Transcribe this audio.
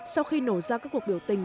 sau khi nổ ra các cuộc biểu tình